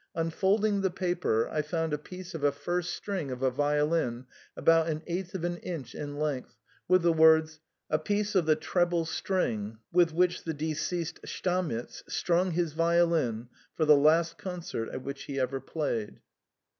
Unfold ing the paper, I found a piece of a first string of a violin about an eighth of an inch in length, with the words, " A piece of the treble string with which the deceased Stamitz * strung his violin for the last concert at which he ever played."